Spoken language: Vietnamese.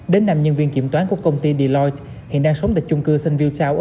đến năm nhân viên kiểm toán của công ty deloitte hiện đang sống tại chung cư st ville town